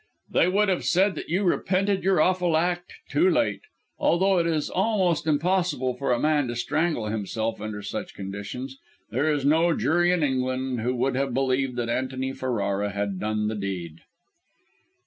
"They would have said that you repented your awful act, too late. Although it is almost impossible for a man to strangle himself under such conditions, there is no jury in England who would have believed that Antony Ferrara had done the deed."